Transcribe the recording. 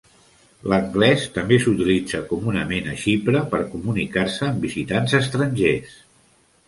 L'anglès també s'utilitza comunament a Xipre per comunicar-se amb visitants estrangers.